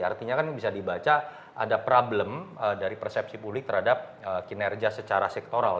artinya kan bisa dibaca ada problem dari persepsi publik terhadap kinerja secara sektoral